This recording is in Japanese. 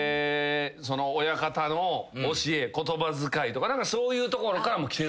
その親方の教え言葉遣いとかそういうところからもきてる？